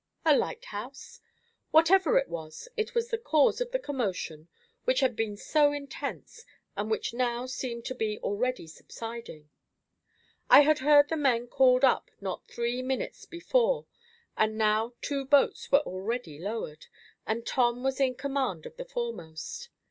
a lighthouse? Whatever it was, it was the cause of the commotion which had been so intense, and which now seemed to be already subsiding. I had heard the men called up not three minutes before, and now two boats were already lowered, and Tom was in command of the foremost.